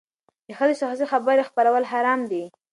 د ښځې شخصي خبرې خپرول حرام دي.